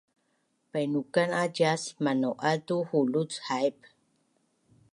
painukan a cias manau’az tu huluc haip